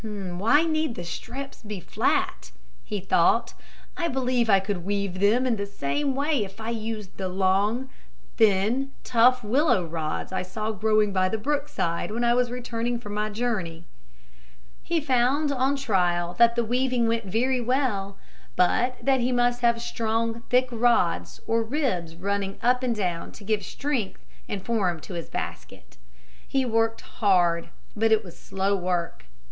"Why need the strips be flat?" he thought. "I believe I could weave them in the same way if I used the long, thin, tough willow rods I saw growing by the brookside, when I was returning from my journey." He found on trial that the weaving went very well, but that he must have strong, thick rods or ribs running up and down to give strength and form to his basket. He worked hard, but it was slow work.